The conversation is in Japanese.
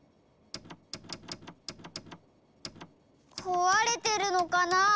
こわれてるのかなあ？